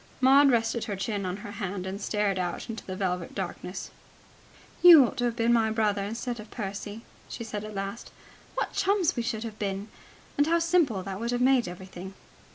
Maud rested her chin on her hand, and stared out into the velvet darkness. "You ought to have been my brother instead of Percy," she said at last. "What chums we should have been! And how simple that would have made everything!"